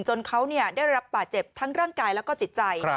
เขาได้รับบาดเจ็บทั้งร่างกายแล้วก็จิตใจ